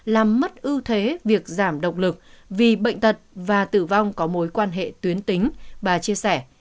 làm mất ưu thế việc giảm động lực vì bệnh tật và tử vong có mối quan hệ tuyến tính bà chia sẻ